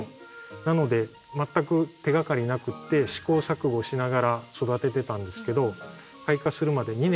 なので全く手がかりなくて試行錯誤しながら育ててたんですけどお！